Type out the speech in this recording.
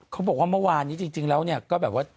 เค้าบอกว่าเมื่อวานเนี่ยจริงแล้ว